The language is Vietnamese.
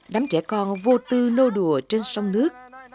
đánh trẻ con vô tư nô đùa trên sông nước